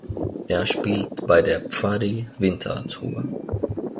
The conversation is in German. Er spielt bei der Pfadi Winterthur.